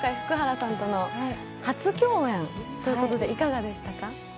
深田さん、今回福原さんとの初共演ということでいかがでしたか？